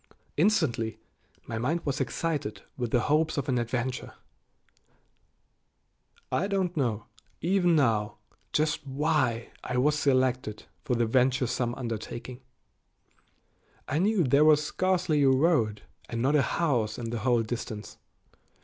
Instantly my mind was excited with the hopes of an adventure. I don't know, even now, just why I was selected for the venturesome undertaking. I knew there was scarcely a road and not a house in the whole distance.